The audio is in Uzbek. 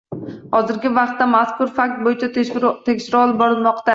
Hozirgi vaqtda mazkur fakt bo‘yicha tekshiruv olib borilmoqda